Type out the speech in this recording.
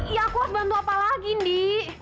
ya aku harus bantu apa lagi nih